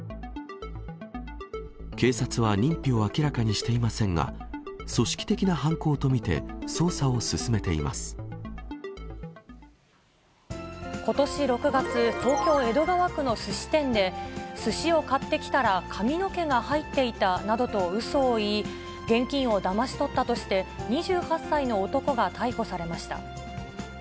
警察は認否を明らかにしていませんが、組織的な犯行と見て、ことし６月、東京・江戸川区のすし店で、すしを買ってきたら髪の毛が入っていたなどとうそを言い、現金をだまし取ったとして、２８歳の男が逮捕されました。